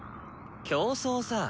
競争さ。